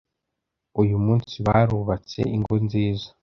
uyu munsi barubatse ingo nziza.